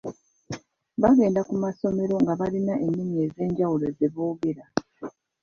Bagenda ku masomero nga balina ennimi ez’enjawulo ze boogera.